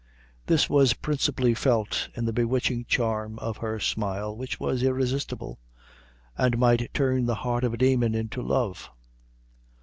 This was principally felt in the bewitching charm of her smile, which was irresistible, and might turn the heart of a demon into love.